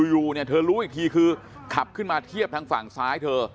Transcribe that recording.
อยู่เนี่ยเธอรู้อีกทีคือขับขึ้นมาเทียบทางฝั่งซ้ายเธอ